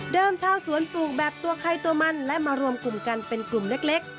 ชาวสวนปลูกแบบตัวใครตัวมันและมารวมกลุ่มกันเป็นกลุ่มเล็ก